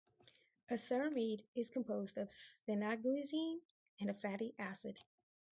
A ceramide is composed of sphingosine and a fatty acid.